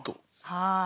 はい。